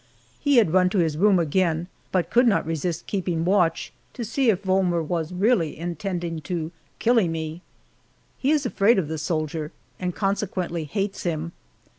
He had run to his room again, but could not resist keeping watch to see if Volmer was really intending to "killee" me. He is afraid of the soldier, and consequently hates him.